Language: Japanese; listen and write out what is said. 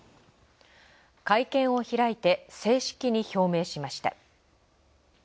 会見を開いて正式に表明しました。